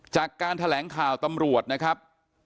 จากการแถลงข่าวตำรวจนะครับ